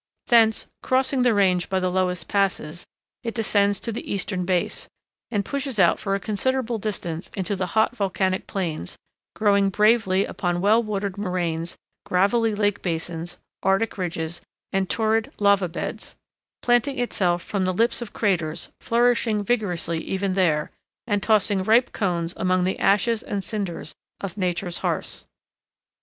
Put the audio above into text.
Thence, crossing the range by the lowest passes, it descends to the eastern base, and pushes out for a considerable distance into the hot volcanic plains, growing bravely upon well watered moraines, gravelly lake basins, arctic ridges, and torrid lava beds; planting itself upon the lips of craters, flourishing vigorously even there, and tossing ripe cones among the ashes and cinders of Nature's hearths.